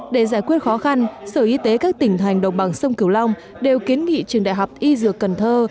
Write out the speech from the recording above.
để giải quyết khó khăn sở y tế các tỉnh thành đồng bằng sông kiều long đều kiến nghị trường đại học y dược cần thơ